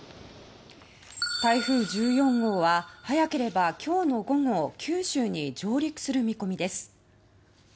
台風１４号は早ければ今日の午後九州に上陸する見込みです。